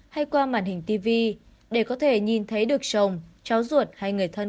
hay qua màn hình tv để có thể nhìn thấy được chồng cháu ruột hay người thân